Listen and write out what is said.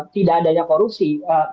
tidak adanya korupsi